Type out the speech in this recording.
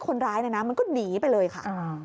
คนร้ายเนี่ยนะมันก็หนีไปเลยค่ะ